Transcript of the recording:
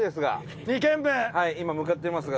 伊達：今、向かってますが。